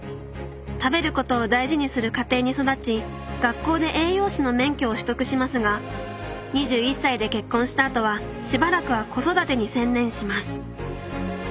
食べることを大事にする家庭に育ち学校で栄養士の免許を取得しますが２１歳で結婚したあとはしばらくは子育てに専念します。